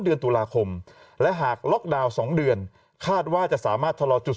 เดือนตุลาคมและหากล็อกดาวน์๒เดือนคาดว่าจะสามารถชะลอจุด